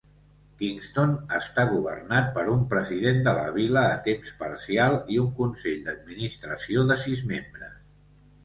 Kingston està governat per un president de la vila a temps parcial i un Consell d'administració de sis membres.